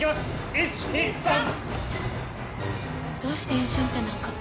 １２３！どうして飲酒運転なんか。